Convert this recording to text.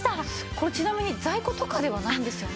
これちなみに在庫とかではないんですよね？